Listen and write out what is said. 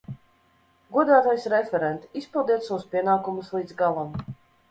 Godātais referent, izpildiet savus pienākumus līdz galam!